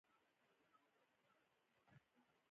جام به مې په لاس وي او د یار زلفې هم.